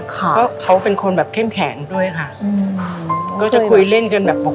ค่ะก็เขาเป็นคนแบบเข้มแข็งด้วยค่ะอืมก็จะคุยเล่นกันแบบบอก